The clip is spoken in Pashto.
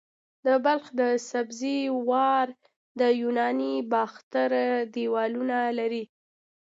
د بلخ د سبزې وار د یوناني باختر دیوالونه لري